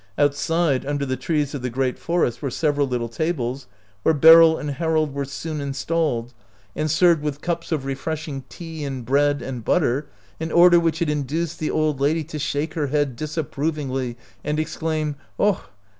Outside under the trees of the great forest were several little tables, where Beryl and Harold were soon installed and served 86 OUT OF BOHEMIA with cups of refreshing tea and bread and \butter — an order which had induced the old lady to shake her head disapprovingly and exclaim, "Och!